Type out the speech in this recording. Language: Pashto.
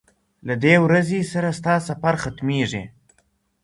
له دې ورځي سره ستا سفر ختمیږي